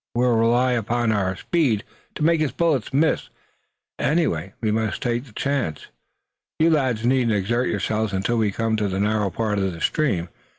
We'll rely upon our speed to make his bullet miss, and anyway we must take the chance. You lads needn't exert yourselves until we come to the narrow part of the stream.